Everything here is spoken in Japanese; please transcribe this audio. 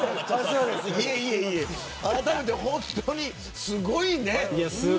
あらためて本当にすごいね。